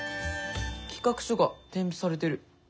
企画書が添付されてる。